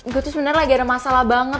gue tuh sebenarnya lagi ada masalah banget